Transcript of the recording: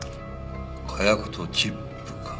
火薬とチップか。